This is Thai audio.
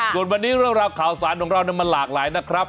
ส่วนวันนี้เรื่องราวข่าวสารของเรามันหลากหลายนะครับ